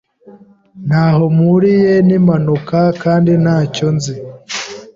Ntaho mpuriye nimpanuka, kandi ntacyo nzi.